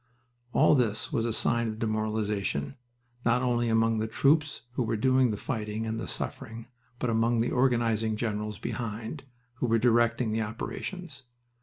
All this was a sign of demoralization, not only among the troops who were doing the fighting and the suffering, but among the organizing generals behind, who were directing the operations.